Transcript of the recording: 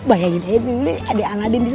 bayangin aja dulu ada aladin disitu